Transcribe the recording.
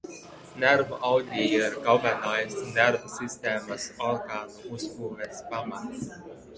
Nervu audi ir galvenais nervu sistēmas orgānu uzbūves pamats.